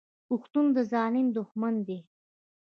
پښتون د ظالم دښمن دی.